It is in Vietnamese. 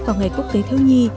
vào ngày quốc tế thơ nhi